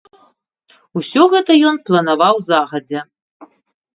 Усё гэта ён планаваў загадзя.